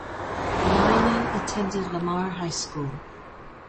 Niemann attended Lamar High School.